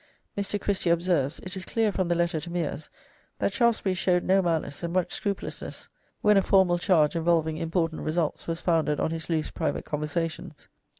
Mr. Christie observes, "It is clear from the letter to Meres that Shaftesbury showed no malice and much scrupulousness when a formal charge, involving important results, was founded on his loose private conversations."